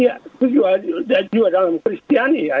ya itu juga dalam kristiani